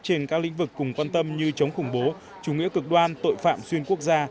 trên các lĩnh vực cùng quan tâm như chống khủng bố chủ nghĩa cực đoan tội phạm xuyên quốc gia